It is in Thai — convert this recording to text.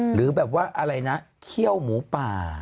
หรือแบบว่าอะไรนะเขี้ยวหมูป่า